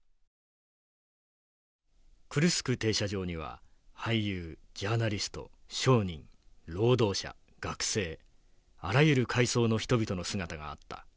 「クルスク停車場には俳優ジャーナリスト商人労働者学生あらゆる階層の人々の姿があった。